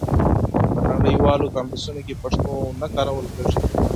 په نړیوالو کنفرانسونو کې پښتو نه کارول کېږي.